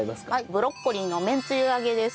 ブロッコリーのめんつゆ揚げです。